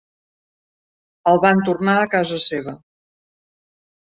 El van tornar a casa seva..